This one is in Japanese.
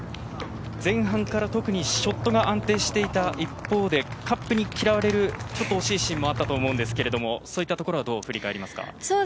前半から特にショットが安定していた一方でカップに嫌われる惜しいシーンもあったと思うんですけど、そういったところはどう振り返りますか？